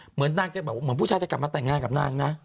เหมือนพูดชาติจะกลับมาแต่งงานกับนางนะ